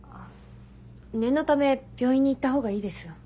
念のため病院に行った方がいいですよ。